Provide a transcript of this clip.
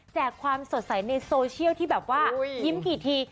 ความสดใสในโซเชียลที่แบบว่ายิ้มกี่ที